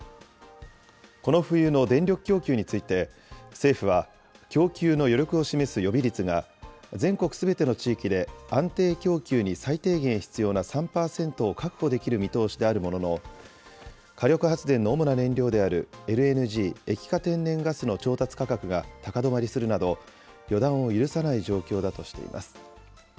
この冬の電力供給について、政府は、供給の余力を示す予備率が、全国すべての地域で、安定供給に最低限必要な３％を確保できる見通しであるものの、火力発電の主な燃料であるＬＮＧ・液化天然ガスの調達価格が高止まりするなど、予断を許さない状況だとしています。